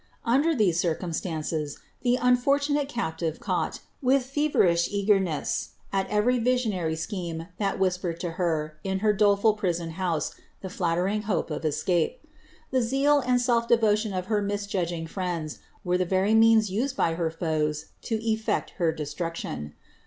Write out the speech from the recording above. Under these circumstances, the unfortunate captive caught, vith feverish eagerness, at every visionary scheme that whispered to lier in her doleful prison house the flattering hope of escape. The zeal and self devotion of her misjudging friends were the very means used by her foes to eflect her destruction.